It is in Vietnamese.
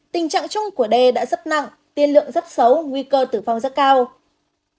tình trạng chung của đề đã sấp nặng tiên lượng rất xấu nguy cơ tử vong rất cao